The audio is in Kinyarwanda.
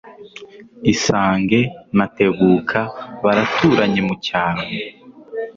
Isange na Tebuka baraturanye mucyaro